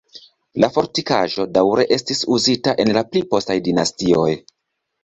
La fortikaĵo daŭre estis uzita en la pli postaj dinastioj.